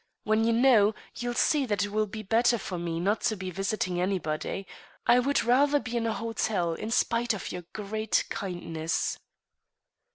When you know, you'll see that it will be better for me not to be visiting anybody. I I would rather be in a hotel, in spite of your great kindness."